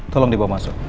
tolong dibawa masuk